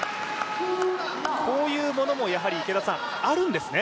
こういうものも、やはりあるんですね。